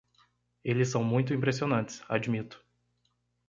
Eles são muito impressionantes, admito.